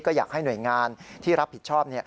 ก็อยากให้หน่วยงานที่รับผิดชอบ